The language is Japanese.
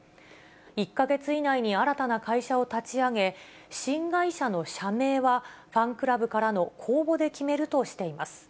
１か月以内に新たな会社を立ち上げ、新会社の社名はファンクラブからの公募で決めるとしています。